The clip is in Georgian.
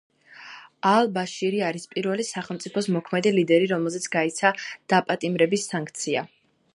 ალ-ბაშირი არის პირველი სახელმწიფოს მოქმედი ლიდერი, რომელზეც გაიცა დაპატიმრების სანქცია.